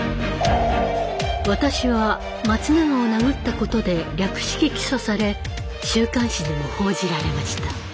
私は松永を殴ったことで略式起訴され週刊誌でも報じられました。